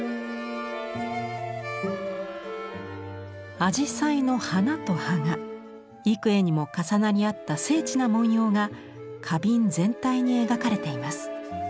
紫陽花の花と葉が幾重にも重なり合った精緻な文様が花瓶全体に描かれています。